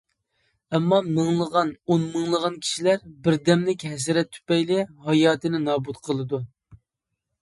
ئەمما، مىڭلىغان-ئونمىڭلىغان كىشىلەر بىردەملىك ھەسرەت تۈپەيلى ھاياتىنى نابۇت قىلىدۇ.